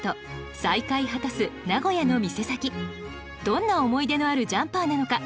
どんな思い出のあるジャンパーなのか